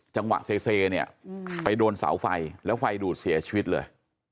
จังหวะเซเนี่ยไปโดนเสาไฟแล้วไฟดูดเสียชีวิตเลย